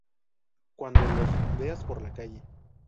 cuando los veas por la calle